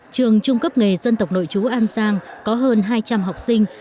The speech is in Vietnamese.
trường trung cấp nghề dân tộc nội chú an giang có hơn hai trăm linh học sinh